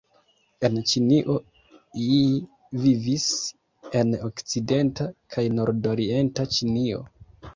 En Ĉinio iii vivis en okcidenta kaj nordorienta Ĉinio.